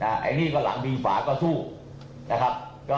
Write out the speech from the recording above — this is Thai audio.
อันนี้ก็หลังดีฝาก็สู้นะครับ